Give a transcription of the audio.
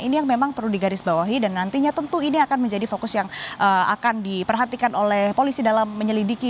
ini yang memang perlu digarisbawahi dan nantinya tentu ini akan menjadi fokus yang akan diperhatikan oleh polisi dalam menyelidiki